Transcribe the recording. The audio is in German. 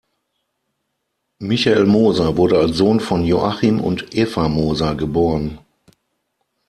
Michael Moser wurde als Sohn von Joachim und Eva Moser geboren.